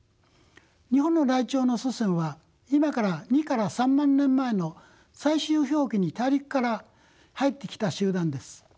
日本のライチョウの祖先は今から２から３万年前の最終氷期に大陸から入ってきた集団です。